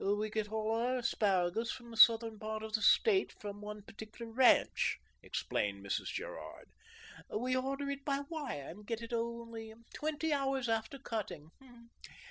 "We get all our asparagus from the southern part of the State, from one particular ranch," explained Mrs. Gerard. "We order it by wire and get it only twenty hours after cutting.